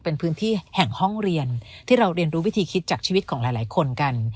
เป็นพื้นที่แห่งห้องเรียนที่เราเรียนรู้วิธีคิดจากชีวิตของหลายคนกัน